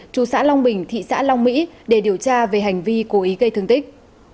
chú xã long bình thị xã long mỹ để điều tra về hành vi cố ý gây thương tích